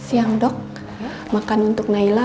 iya nanti dibawain mainan ya